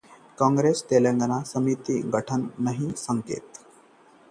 कांग्रेस ने दिये तेलंगाना पर समिति का गठन जल्द नहीं होने के संकेत